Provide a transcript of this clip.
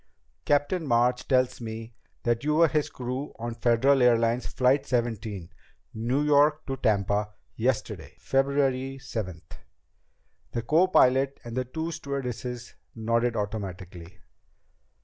"Captain March tells me that you were his crew on Federal Airlines Flight Seventeen, New York to Tampa, yesterday, February seventh." The copilot and the two stewardesses nodded automatically.